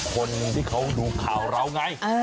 คนที่เขาดูข่าวเราไง